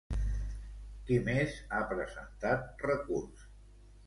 Qui més ha presentat recurs?